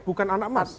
bukan anak emas